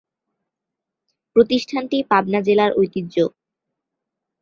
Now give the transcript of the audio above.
প্রতিষ্ঠানটি পাবনা জেলার ঐতিহ্য।